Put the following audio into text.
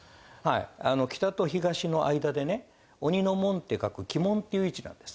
北と東の間でね鬼の門って書く鬼門っていう位置なんです。